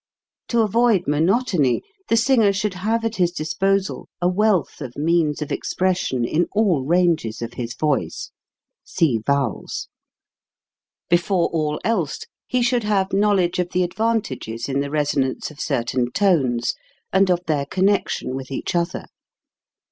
To avoid monotony the singer should have at his disposal a wealth of means of expression in all ranges of his voice. (See Vowels.) Before all else he should have knowledge of the advantages in the resonance of certain tones, and of their connection with each other.